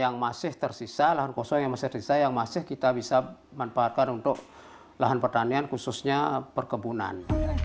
yang masih tersisa lahan kosong yang masih desa yang masih kita bisa manfaatkan untuk lahan pertanian khususnya perkebunan